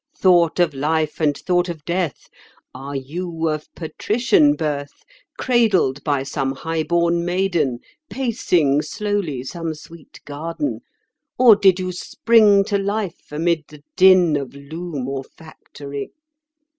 Thought of Life and Thought of Death: are you of patrician birth, cradled by some high born maiden, pacing slowly some sweet garden? Or did you spring to life amid the din of loom or factory?